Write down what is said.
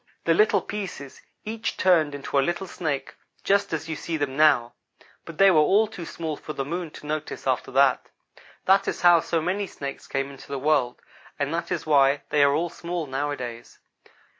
The little pieces each turned into a little snake, just as you see them now, but they were all too small for the Moon to notice after that. That is how so many Snakes came into the world; and that is why they are all small, nowadays.